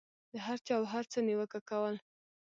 د هر چا او هر څه نیوکه کول.